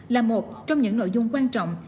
là một trong những nội dung quan trọng